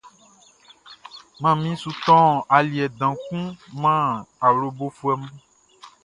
Manmi su tɔn aliɛ dan kun man awlobofuɛ mun.